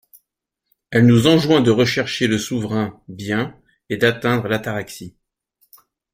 Elle nous enjoint de rechercher le Souverain bien, et d'atteindre l'ataraxie.